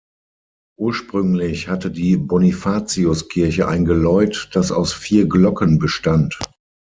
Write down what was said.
Ursprünglich hatte die Bonifatiuskirche ein Geläut, das aus vier Glocken bestand.